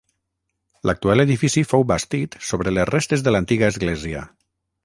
L'actual edifici fou bastit sobre les restes de l'antiga església.